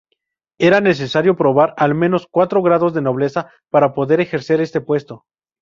Era necesario probar al menos cuatro grados de nobleza para poder ejercer este puesto.